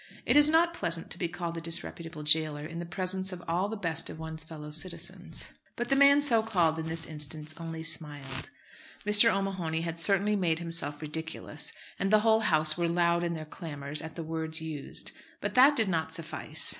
It is not pleasant to be called a disreputable jailer in the presence of all the best of one's fellow citizens, but the man so called in this instance only smiled. Mr. O'Mahony had certainly made himself ridiculous, and the whole House were loud in their clamours at the words used. But that did not suffice.